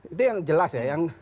itu yang jelas ya